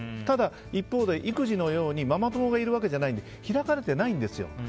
ただ、一方で育児のようにママ友がいるわけじゃないので開かれてないんですよ。